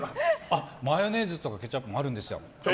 マヨネーズとかケチャップもあるんですよ。